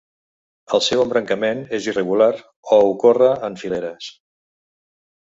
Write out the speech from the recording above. El seu embrancament és irregular, o ocorre en fileres.